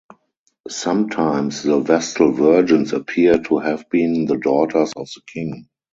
Sometimes the Vestal virgins appear to have been the daughters of the king.